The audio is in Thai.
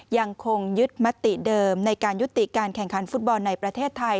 ยังคงยึดมติเดิมในการยุติการแข่งขันฟุตบอลในประเทศไทย